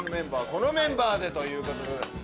このメンバーでということで。